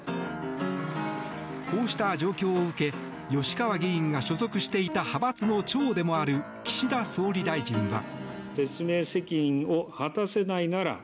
こうした状況を受け吉川議員が所属していた派閥の長でもある岸田総理大臣は。